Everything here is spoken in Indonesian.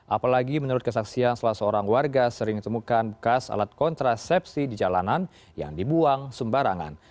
apalagi menurut kesaksian salah seorang warga sering temukan bekas alat kontrasepsi di jalanan yang dibuang sembarangan